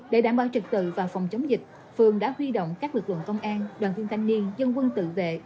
để đảm bảo trực tự và phòng chống dịch phường đã huy động các lực lượng công an đoàn viên thanh niên dân quân tự vệ